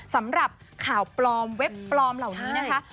สำหรับข่าวปลอมเว็บปลอมเหล่านี้นะคะ